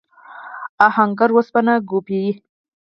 آهنګر اوسپنه کوبي.